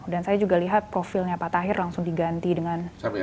dan saya juga lihat profilnya pak tahir langsung diganti dengan